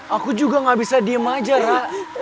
aku juga gak bisa diem aja rak